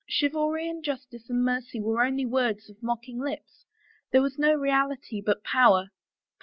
Chivalry and justice and mercy were only words of mocking lips. There was no reality but power.